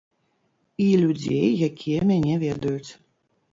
І людзей, якія мяне ведаюць.